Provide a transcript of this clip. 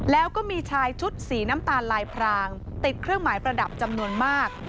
แล้วก็มีชายชุดสีน้ำตาลลายพรางติดเครื่องหมายประดับจำนวนมาก